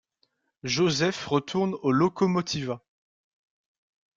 Jozef retourne au Lokomotíva.